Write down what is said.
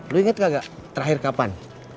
lu inget gak terakhir kapan